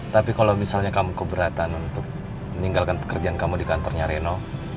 tapi kalau misalnya kamu keberatan untuk meninggalkan pekerjaan kamu di kantornya reno